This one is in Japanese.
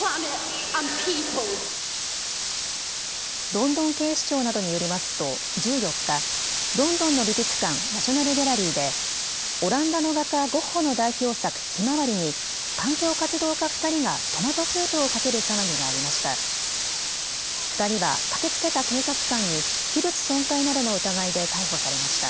ロンドン警視庁などによりますと１４日、ロンドンの美術館、ナショナル・ギャラリーでオランダの画家、ゴッホの代表作、ひまわりに環境活動家２人がトマトスープをかける騒ぎがありました。